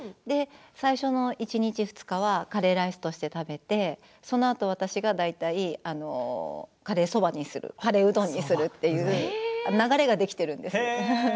最初は１日、２日はカレーライスとして食べてそのあと私がだいたいカレーそばにするカレーうどんにするという流れができているんです。